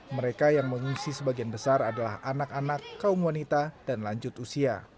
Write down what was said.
mereka yang mengungsi sebagian besar adalah anak anak kaum wanita dan lanjut usia